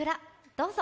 どうぞ。